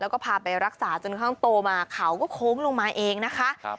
แล้วก็พาไปรักษาจนเขาโตมาเขาก็โค้งลงมาเองนะคะ